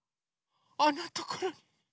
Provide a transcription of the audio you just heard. あんなところに。